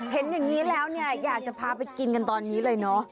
เห็นอย่างนี้แหล่งอยากจะพากินกันตอนนี้เลยดีแหละ